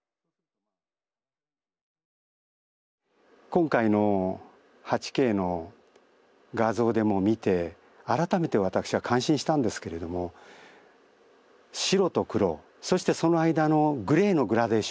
今回の８Ｋの画像でも見て改めて私は感心したんですけれども白と黒そしてその間のグレーのグラデーション